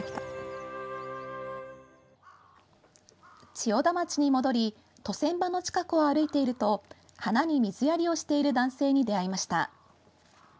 千代田町に戻り渡船場の近くを歩いていると花に水やりをしている男性に出会いました。